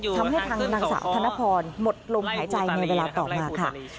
ทางนางสาวธนพรหมดลมหายใจในเวลาต่อมาค่ะ